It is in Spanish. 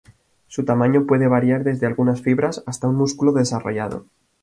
Su tamaño puede variar desde algunas fibras, hasta un músculo desarrollado.